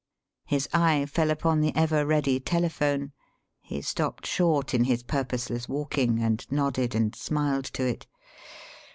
His eye fell upon the ever ready telephone. He stopped short in his purposeless walking and nodded and smiled to it.